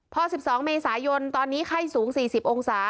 พอ๑๒เมษายนตอนนี้ไข้สูง๔๐องศา